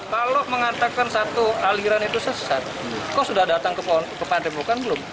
kalau mengatakan satu aliran itu sesat kok sudah datang ke partai bukan belum